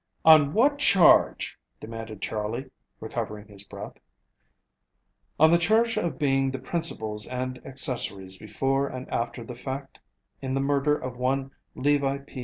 "On what charge?" demanded Charley, recovering his breath. "On the charge of being the principals and accessories before and after the fact in the murder of one Levi P.